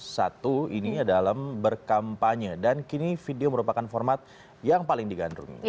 satu ini adalah berkampanye dan kini video merupakan format yang paling digandrungi